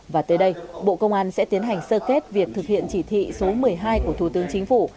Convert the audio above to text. và tới đây bộ công an sẽ tiến hành sơ kết việc thực hiện chỉ thị số một mươi hai của thủ tướng chính phủ